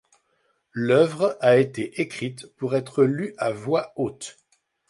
L'œuvre a été écrite pour être lue à voix haute.